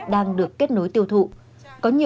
đang được kết nối cho các doanh nghiệp